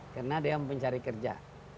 karena dia yang mencari kerja